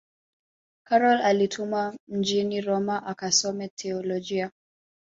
karol alitumwa mjini roma akasome teolojia